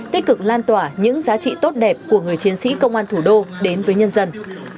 tích cực lan tỏa những giá trị tốt đẹp của người chiến sĩ công an thủ đô đến với nhân dân